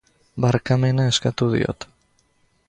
Barkamena eskatu diot